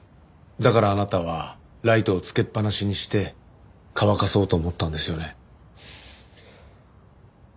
だからあなたはライトをつけっぱなしにして乾かそうと思ったんですよね？